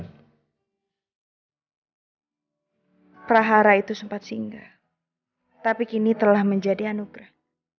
hai prahara itu sempat singgah tapi kini telah menjadi anugerah